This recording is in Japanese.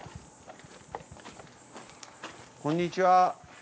こんにちは。